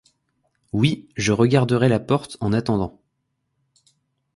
Oui, je regarderai la porte en attendant.